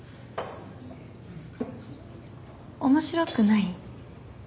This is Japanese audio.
面白くない？